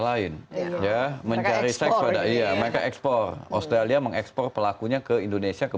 lain ya mencari seks pada iya mereka ekspor australia mengekspor pelakunya ke indonesia ke